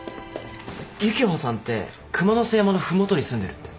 幸葉さんって熊之背山の麓に住んでるって。